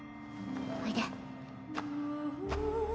おいで。